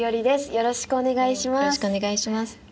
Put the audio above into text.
よろしくお願いします。